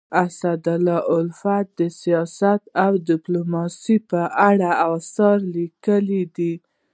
اسدالله الفت د سیاست او ډيپلوماسی په اړه اثار لیکلي دي.